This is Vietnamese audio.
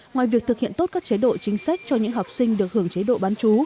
ngoài việc thực hiện tốt các chế độ chính sách cho những học sinh được hưởng chế độ bán chú